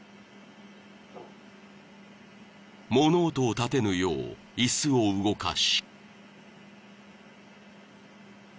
［物音を立てぬよう椅子を動かし］